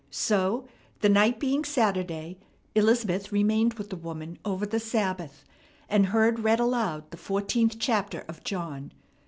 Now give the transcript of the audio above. So, the night being Saturday, Elizabeth remained with the woman over the Sabbath, and heard read aloud the fourteenth chapter of John.